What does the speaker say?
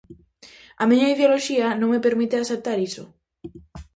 A miña ideoloxía non me permite aceptar iso.